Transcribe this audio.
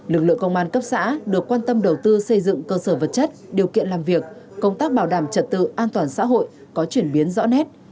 lực lượng công an cấp xã được quan tâm đầu tư xây dựng cơ sở vật chất điều kiện làm việc công tác bảo đảm trật tự an toàn xã hội có chuyển biến rõ nét